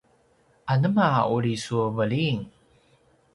anema uri su veliyn?